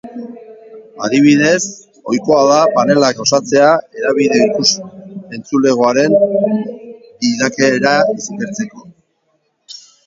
Adibidez, ohikoa da panelak osatzea hedabideen ikus-entzulegoaren bilakaera ikertzeko.